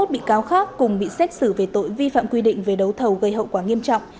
hai mươi một bị cáo khác cùng bị xét xử về tội vi phạm quy định về đấu thầu gây hậu quả nghiêm trọng